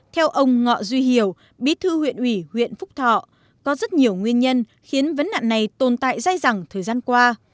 theo ông ngọ duy hiểu bí thư huyện ủy huyện phúc thọ có rất nhiều nguyên nhân khiến vấn nạn này tồn tại dài dẳng thời gian qua